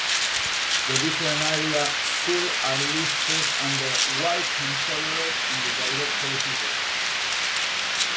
The different area schools are listed under "white" and "colored" in the directory headings.